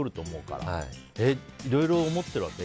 いろいろ思ってるわけ？